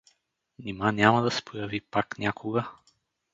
Нима няма да се появи пак някога?